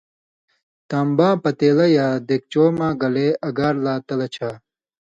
تان٘باں پتېلہ یا دِگچو مہ گلے اگار لا تلہۡ چھا